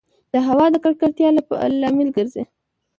د هــوا د ککــړتـيـا لامـل ګـرځـي